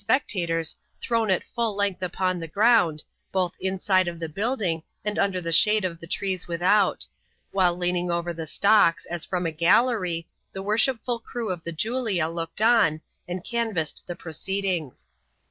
spectators thrown at full length upon the ground, both inside of the building, and under the shade of the trees without ; while, leaning over the stocks as from a gallerj, the worshipful oew of the Julia looked on, and canvassed the proceedings.